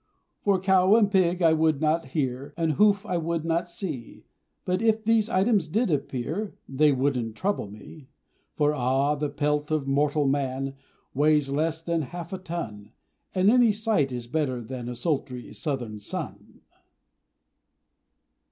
For cow and pig I would not hear, And hoof I would not see; But if these items did appear They wouldn't trouble me. For ah! the pelt of mortal man Weighs less than half a ton, And any sight is better than A sultry southern sun.